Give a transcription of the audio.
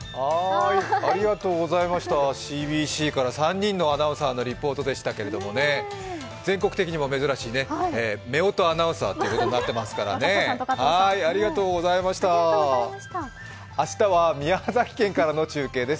ＣＢＣから３人のアナウンサーのリポートでしたけれども全国的にも珍しいめおとアナウンサーということになっていますから明日は宮崎県からの中継です。